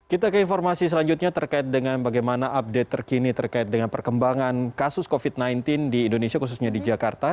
kita ke informasi selanjutnya terkait dengan bagaimana update terkini terkait dengan perkembangan kasus covid sembilan belas di indonesia khususnya di jakarta